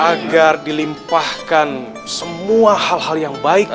agar dilimpahkan semua hal hal yang ada di dalam gedung ini